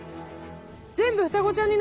全部！